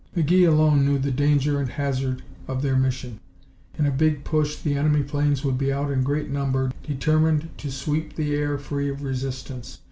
McGee alone knew the danger and hazard of their mission. In a big push the enemy planes would be out in great number, determined to sweep the air free of resistance.